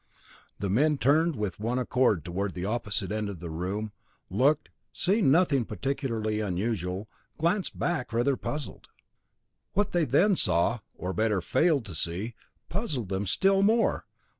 The men turned with one accord toward the opposite end of the room, looked, and seeing nothing particularly unusual, glanced back rather puzzled. What they then saw, or better, failed to see, puzzled them still more.